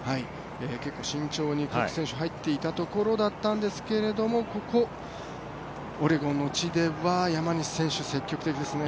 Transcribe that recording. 結構慎重に各選手、入っていたところなんですがここ、オレゴンの地では、山西選手、積極的ですね。